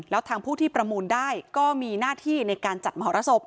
แล้วทางผู้ที่ประมูลได้ก็มีหน้าที่ในการจัดมหรสบ